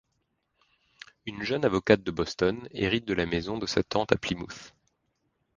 Une jeune avocate de Boston, hérite de la maison de sa tante à Plymouth.